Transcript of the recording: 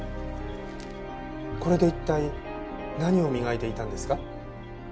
これで一体何を磨いていたんですか？